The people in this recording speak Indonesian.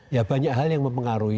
ya banyak hal yang mempengaruhi